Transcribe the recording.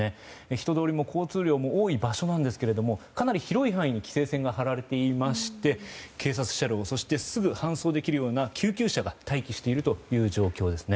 人通りも交通量も多い場所なんですけれどもかなり広い範囲に規制線が張られていまして警察車両、すぐ搬送できるような救急車が待機しているという状況ですね。